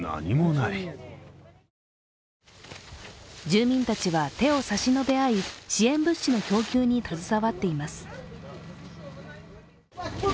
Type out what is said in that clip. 住民たちは手を差し伸べ合い、支援物資の供給に携わっています。